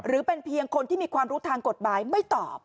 เป็นเพียงคนที่มีความรู้ทางกฎหมายไม่ตอบ